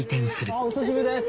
あっお久しぶりです。